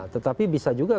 tetapi bisa juga